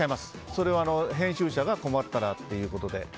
それは編集者が困ったらということで。